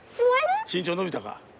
っ身長伸びたか？